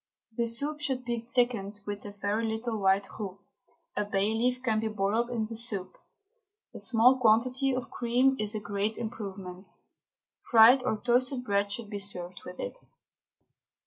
The soup should be thickened with a very little white roux, a bay leaf can be boiled in the soup; a small quantity of cream is a great improvement. Fried or toasted bread should be served with it.